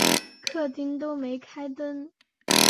客厅都没开灯